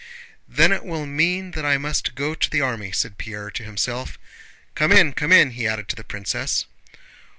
"Then it will mean that I must go to the army," said Pierre to himself. "Come in, come in!" he added to the princess.